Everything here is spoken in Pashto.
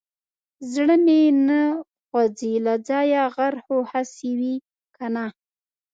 زړه مې نه خوځي له ځايه غر خو هسې وي کنه.